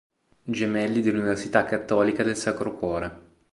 Gemelli dell'Università Cattolica del Sacro Cuore.